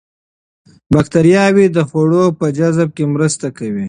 باکتریاوې د خوړو په جذب کې مرسته کوي.